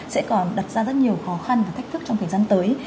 sẽ còn đặt ra rất nhiều khó khăn và thách thức trong thời gian tới